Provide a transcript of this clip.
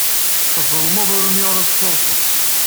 Tḍelmeḍ imi ur as-tessurfeḍ.